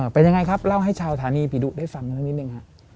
เป็นยังไงครับเล่าให้ชาวฐานีผีดุได้ฟังมานิดนึงครับ